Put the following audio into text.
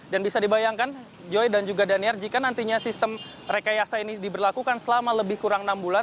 dan bisa dibayangkan joy dan juga deniar jika nantinya sistem rekayasa ini diberlakukan selama lebih kurang enam bulan